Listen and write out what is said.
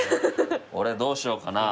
俺どうしようかな。